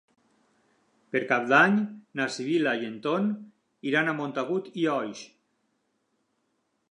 Per Cap d'Any na Sibil·la i en Ton iran a Montagut i Oix.